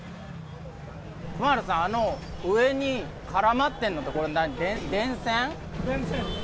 クマールさん、あの上に絡まってるのって、これ何、電線？